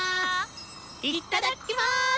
いただきます！